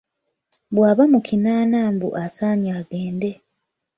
Bbwaba mu kinaana mbu asaanye agende.